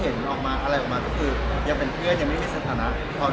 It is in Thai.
พอมีคนรักหรือแฟนอะไรอย่างนี้ถูกปะ